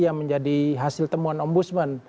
yang menjadi hasil temuan om budsman